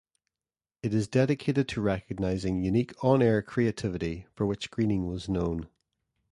It is dedicated to recognising unique on-air creativity, for which Greening was known.